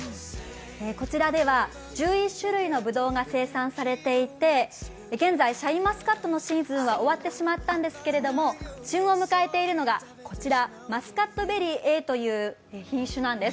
こちらでは１１種類のぶどうが生産されていて現在、シャインマスカットのシーズンは終わってしまったんですけれども、旬を迎えているのがマスカット・ベリーＡという品種なんです。